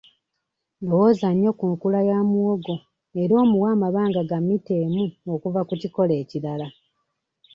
Lowooza nnyo ku nkula ya muwogo era omuwe amabanga ga mmita emu okuva ku kikolo ekirala.